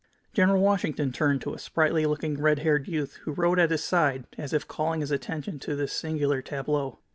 General Washington turned to a sprightly looking, red haired youth who rode at his side, as if calling his attention to this singular tableau.